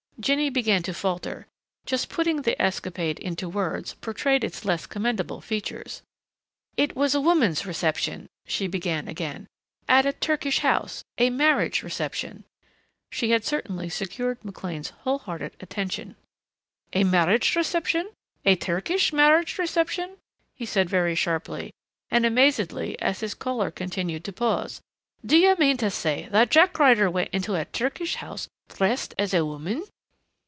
Jinny began to falter. Just putting that escapade into words portrayed its less commendable features. "It was a woman's reception," she began again, "at a Turkish house. A marriage reception " She had certainly secured McLean's whole hearted attention. "A marriage reception a Turkish marriage reception?" he said very sharply and amazedly as his caller continued to pause. "Do you mean to say that Jack Ryder went into a Turkish house dressed as a woman